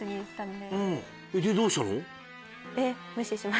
でどうしたの？